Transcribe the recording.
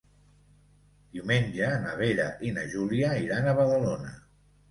Diumenge na Vera i na Júlia iran a Badalona.